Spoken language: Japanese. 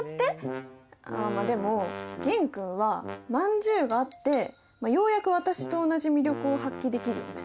あまあでも玄君はまんじゅうがあってようやく私と同じ魅力を発揮できるよね。